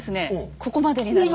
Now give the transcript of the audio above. ここまでになります。